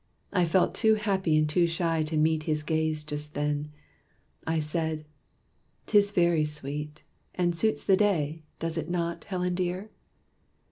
I felt too happy and too shy to meet His gaze just then. I said, "'Tis very sweet, And suits the day; does it not, Helen, dear?"